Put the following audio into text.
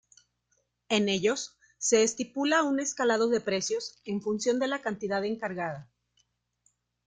En ellos, se estipula un escalado de precios en función de la cantidad encargada.